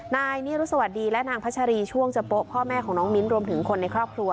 นายนิรุสวัสดิและนางพัชรีช่วงจะโป๊ะพ่อแม่ของน้องมิ้นรวมถึงคนในครอบครัว